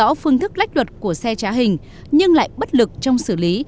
theo phương thức lách luật của xe trá hình nhưng lại bất lực trong xử lý